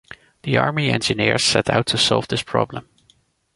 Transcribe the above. The Army Engineers set out to solve this problem.